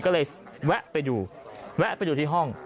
ก็เลยแวะไปดูแวะไปดูที่ห้อง